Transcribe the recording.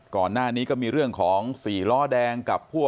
ก่อนหน้านี้ก็มีเรื่องของสี่ล้อแดงกับพวก